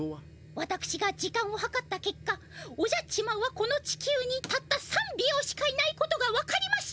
わたくしが時間を計ったけっかおじゃっちマンはこの地球にたった３秒しかいないことがわかりました。